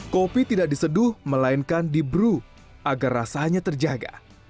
kopi tidak diseduh melainkan dibrew agar rasanya terjaga